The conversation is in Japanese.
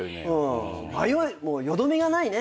迷いよどみがないね。